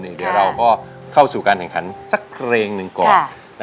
เดี๋ยวเราก็เข้าสู่การแข่งขันสักเพลงหนึ่งก่อน